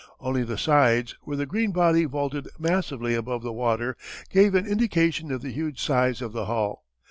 Only the sides, where the green body vaulted massively above the water, gave an indication of the huge size of the hull.